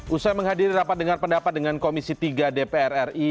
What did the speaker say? usai menghadiri rapat dengar pendapat dengan komisi tiga dpr ri